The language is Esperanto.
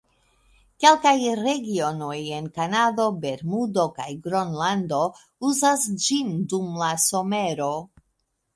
Kelkaj regionoj en Kanado, Bermudo kaj Gronlando uzas ĝin dum la somero.